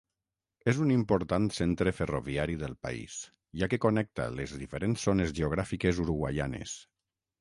És un important centre ferroviari del país, ja que connecta les diferents zones geogràfiques uruguaianes.